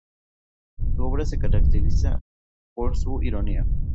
Su obra se caracteriza por su ironía.